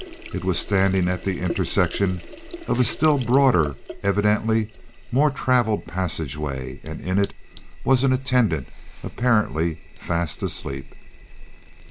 It was standing at the intersection of a still broader, evidently more traveled passageway, and in it was an attendant, apparently fast asleep.